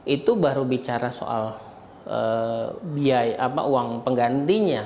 itu baru bicara soal uang penggantinya